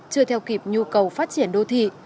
chưa theo kịp nhu cầu phát triển đô thị